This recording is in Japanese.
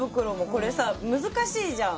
これさ難しいじゃん。